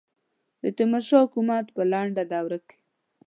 د تیمور شاه حکومت په لنډه دوره کې.